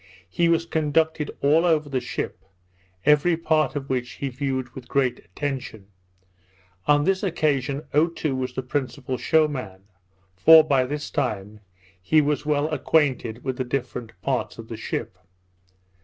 He was conducted all over the ship, every part of which he viewed with great attention. On this occasion Otoo was the principal show man; for, by this time, he was well acquainted with the different parts of the ship.